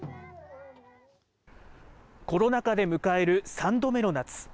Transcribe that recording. コロナ禍で迎える３度目の夏。